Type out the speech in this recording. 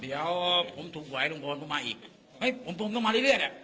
เดี๋ยวผมถูกไหวล่งบนผมลาก็มาอีกเฮ้ยผมต้องมาเรื่อยเรื่อยแหละ